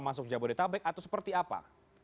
masuk jabodetabek atau seperti apa